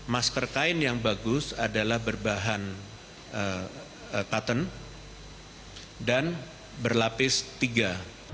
masker kain yang bagus adalah berbahan katun dan berlapis tiga